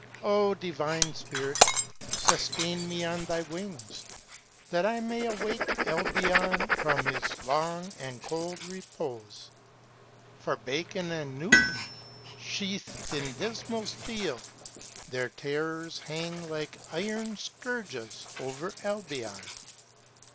O Divine Spirit! sustain me on thy wings, That I may awake Albion from his long and cold repose; For Bacon and Newton, sheath'd in dismal steel, their terrors hangLike iron scourges over Albion.